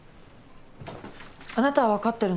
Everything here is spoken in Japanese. あなたは分かってるの？